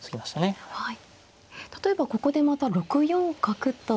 例えばここでまた６四角と。